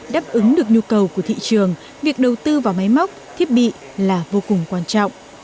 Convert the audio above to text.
đáp ứng được nhu cầu của thị trường việc đầu tư vào máy móc thiết bị là vô cùng quan trọng